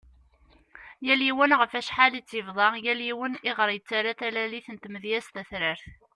Yal yiwen ɣef acḥal i tt-yebḍa, yal yiwen i ɣer yettara talalit n tmedyazt tatrart .